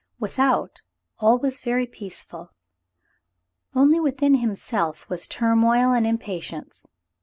Without, all was very peaceful ; only within himself was turmoil and impatience.